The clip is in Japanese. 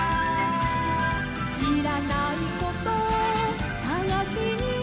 「しらないことさがしに」